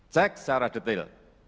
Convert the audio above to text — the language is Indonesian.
cek secara detail